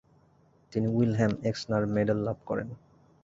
তিনি Wilhelm Exner medal লাভ করেন।